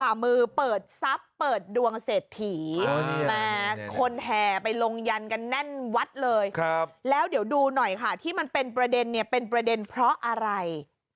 เปิดดวงเศรษฐีคนแห่ไปลงยันกันแน่นวัดเลยแล้วเดี๋ยวดูหน่อยค่ะที่มันเป็นประเด็นเนี่ยเป็นประเด็นเพราะอะไร